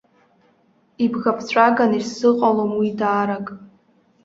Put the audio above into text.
Ибӷаԥҵәаган исзыҟалом уи даарак.